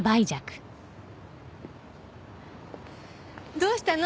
どうしたの？